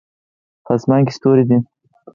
په اسمان کې ستوری ده